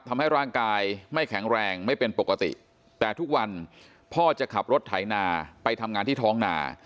ทำให้ร่างกายไม่แข็งแรงไม่เป็นปกติแต่ทุกวันพ่อจะขับรถไถนาไปทำงานที่ท้องนา